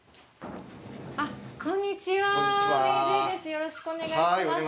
よろしくお願いします。